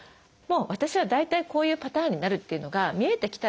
私は大体こういうパターンになるっていうのが見えてきたらですね